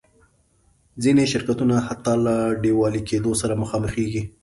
ځینې شرکتونه حتی له ډیوالي کېدو سره مخامخېږي.